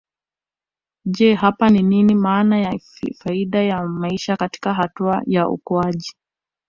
Je hapa nini maana na faida ya maisha katika hatua ya ukuaji